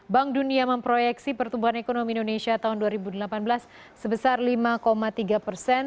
bank dunia memproyeksi pertumbuhan ekonomi indonesia tahun dua ribu delapan belas sebesar lima tiga persen